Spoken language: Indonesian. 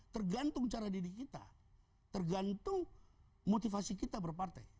tergantung cara didik kita tergantung motivasi kita berpartai